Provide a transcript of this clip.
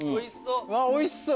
おいしそう！